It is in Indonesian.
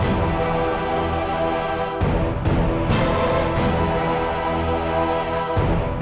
jangan lupa juga minta tulis dan juga recet pele durable